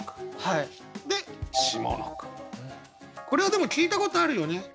これはでも聞いたことあるよね？